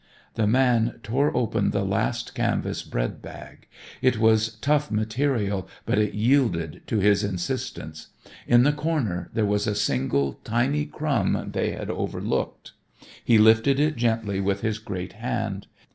The man tore open the last canvas bread bag. It was tough material but it yielded to his insistence. In the corner there was a single tiny crumb they had overlooked. He lifted it gently with his great hand.